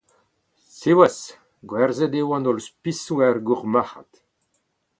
Siwazh, gwerzhet eo an holl spisoù er gourmarc'had.